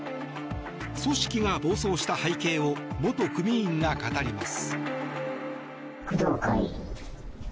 組織が暴走した背景を元組員が語ります。